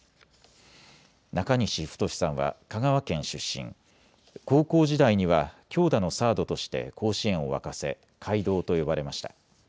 中西太さんは香川県出身、高校時代には強打のサードとして甲子園を沸かせ怪童と呼ばれました。